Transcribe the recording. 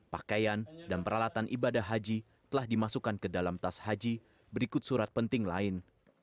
pakaian dan peralatan ibadah haji telah dimasukkan ke dalam tas haji berikut surat penting lain